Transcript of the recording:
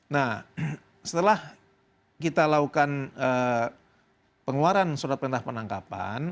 nah setelah kita lakukan pengeluaran surat perintah penangkapan